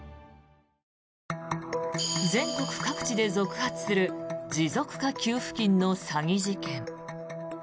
全国各地で続発する持続化給付金の詐欺事件。